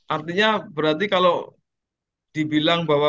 artinya berarti kalau dibilang bahwa